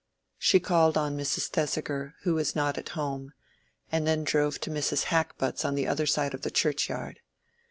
She called on Mrs. Thesiger, who was not at home, and then drove to Mrs. Hackbutt's on the other side of the churchyard.